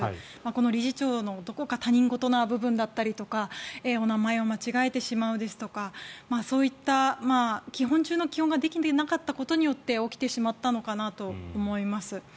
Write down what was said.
この理事長のどこか他人事な部分だったりとか名前を間違えてしまうですとかそういった基本中の基本ができていなかったことによって起きてしまったのかなと思います。